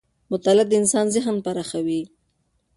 مطالعه د انسان ذهن پراخوي